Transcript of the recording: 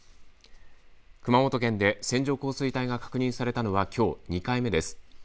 熊本県で線状降水帯が確認されたのはきょう２回目です。